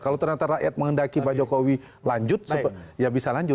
kalau ternyata rakyat menghendaki pak jokowi lanjut ya bisa lanjut